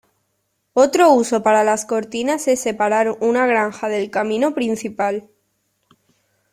Otro uso para las cortinas es separar una granja del camino principal.